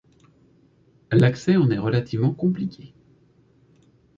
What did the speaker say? L'accès en est relativement compliqué.